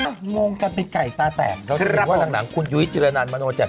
งงกันไปไกลตาแตกเราถึงว่าหลังคุณยุวิทย์จิรนันดิ์มโนเจมส์